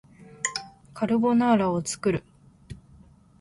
カルボナーラを作る